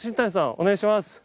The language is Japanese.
お願いします。